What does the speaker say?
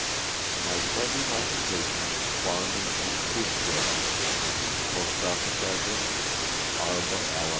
My present occupation is farming and fruit growing. Postoffice address, Arba, Ala.